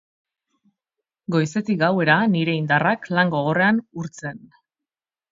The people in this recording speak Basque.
Goizetik gauera, nire indarrak lan gogorrean urtzen.